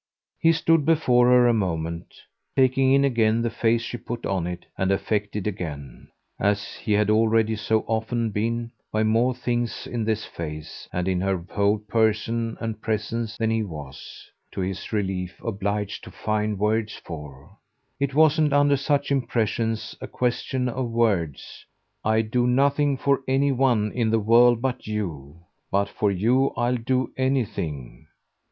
He stood before her a moment, taking in again the face she put on it and affected again, as he had already so often been, by more things in this face and in her whole person and presence than he was, to his relief, obliged to find words for. It wasn't, under such impressions, a question of words. "I do nothing for any one in the world but you. But for you I'll do anything."